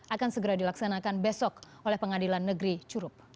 akan segera dilaksanakan besok oleh pengadilan negeri curup